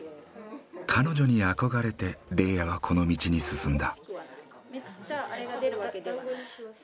彼女に憧れてレイヤはこの道に進んだ。